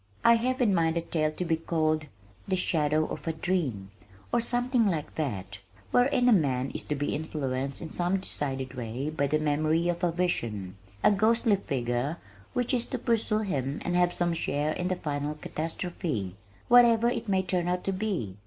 I have in mind a tale to be called The Shadow of a Dream, or something like that, wherein a man is to be influenced in some decided way by the memory of a vision, a ghostly figure which is to pursue him and have some share in the final catastrophe, whatever it may turn out to be.